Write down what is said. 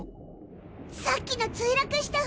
さっきの墜落した船！